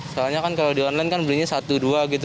soalnya kan kalau di online kan belinya satu dua gitu